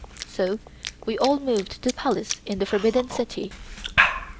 So we all moved to the Palace in the Forbidden City.